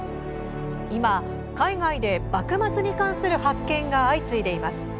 今、海外で幕末に関する発見が相次いでいます。